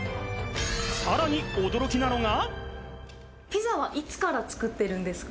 さらに驚きなのが。